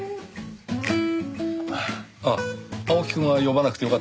あっ青木くんは呼ばなくてよかったのですか？